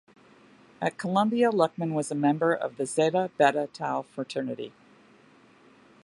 At Columbia Luckman was a member of the Zeta Beta Tau fraternity.